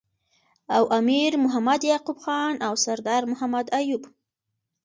او امیر محمد یعقوب خان او سردار محمد ایوب